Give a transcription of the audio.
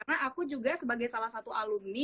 karena aku juga sebagai salah satu alumni